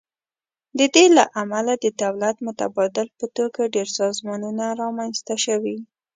د دې له امله د دولت متبادل په توګه ډیر سازمانونه رامینځ ته شوي.